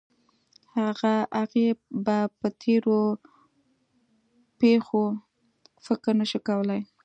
هغې به په تېرو پېښو فکر نه شو کولی